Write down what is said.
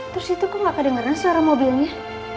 terus itu kok gak kedengeran secara mobilnya